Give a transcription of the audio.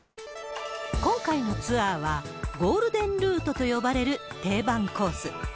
今回のツアーは、ゴールデンルートと呼ばれる定番コース。